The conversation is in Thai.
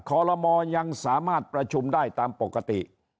ขอรมอยังสามารถประชุมได้ตามปกติ